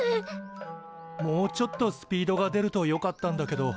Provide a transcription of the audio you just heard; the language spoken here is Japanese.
もうちょっとスピードが出るとよかったんだけど。